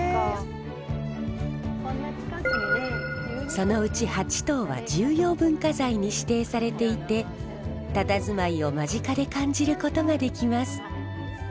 そのうち８棟は重要文化財に指定されていてたたずまいを間近で感じることができます。